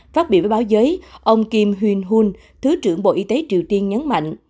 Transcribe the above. phát biểu với báo giới ông kim hung hun thứ trưởng bộ y tế triều tiên nhấn mạnh